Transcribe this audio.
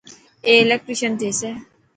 اي الڪيٽريسن ٿيسي.